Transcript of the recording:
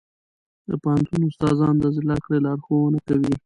د پوهنتون استادان د زده کړې لارښوونه کوي.